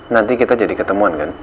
nanti kita jadi ketemuan kan